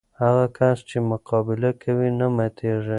هغه کس چې مقابله کوي، نه ماتېږي.